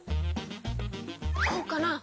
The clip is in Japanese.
こうかな？